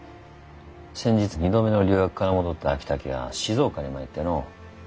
先日２度目の留学から戻った昭武が静岡に参ってのう。